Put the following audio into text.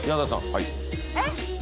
はいえっ？